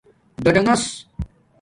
ڈاڈنݣس